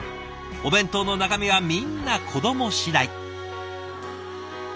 お弁当の中身はみんな子ども次第。